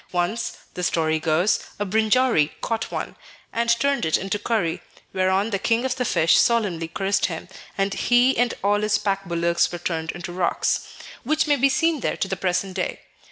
Once, the story goes, a Brinjari caught one, and turned it into curry, whereon the king of the fish solemnly cursed him, and he and all his pack bullocks were turned into rocks, which may be seen there to the present day.